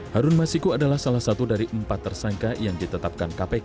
harun masiku adalah salah satu dari empat tersangka yang ditetapkan kpk